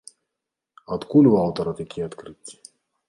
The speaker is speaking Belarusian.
Адкуль у аўтара такія адкрыцці?